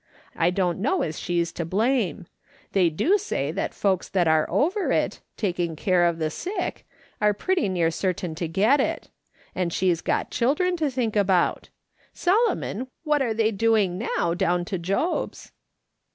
I don't know as she's to blame; 282 MRS. SOLOMON SMITH LOOk'ING ON. tliey do say that folks that are over it, taking care of the sick, are pretty near certain to get it, and slie's got children to think about. Solomon, what are they doing now down to Job's